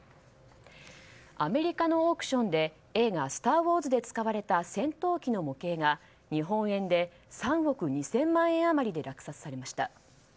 アメリカのオークションで映画「スター・ウォーズ」で使われた戦闘機の模型が日本円で３億２０００万円余りで落札されました。